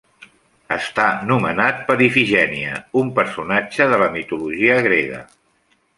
Està nomenat per Ifigènia, un personatge de la mitologia grega.